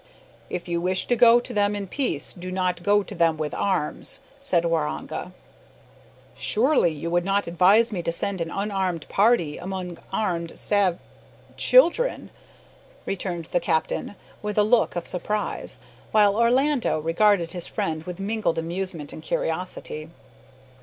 "If you wish to go to them in peace, do not go to them with arms," said Waroonga. "Surely you would not advise me to send an unarmed party among armed sav children?" returned the captain, with a look of surprise, while Orlando regarded his friend with mingled amusement and curiosity.